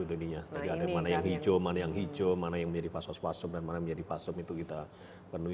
mana yang hijau mana yang hijau mana yang menjadi fasos fasum mana yang menjadi fasum itu kita penuhi